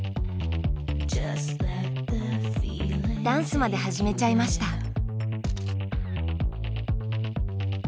ダンスまで始めちゃいました。